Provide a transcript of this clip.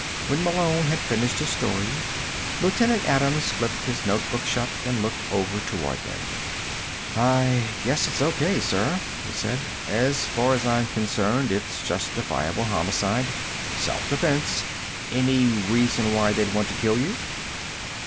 When Malone had finished his story, Lieutenant Adams flipped his notebook shut and looked over toward them. "I guess it's O.K., sir," he said. "As far as I'm concerned, it's justifiable homicide. Self defense. Any reason why they'd want to kill you?"